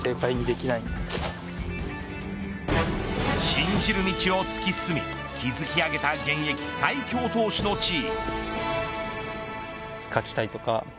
信じる道を突き進み築き上げた現役最強投手の地位。